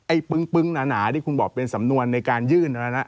ปึ้งหนาที่คุณบอกเป็นสำนวนในการยื่น